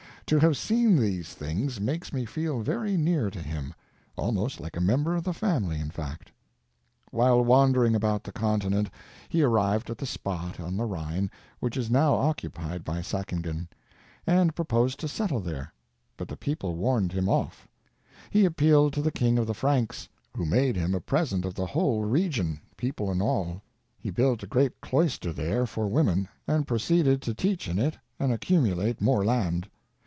To have seen these things makes me feel very near to him, almost like a member of the family, in fact. While wandering about the Continent he arrived at the spot on the Rhine which is now occupied by Sackingen, and proposed to settle there, but the people warned him off. He appealed to the king of the Franks, who made him a present of the whole region, people and all. He built a great cloister there for women and proceeded to teach in it and accumulate more land.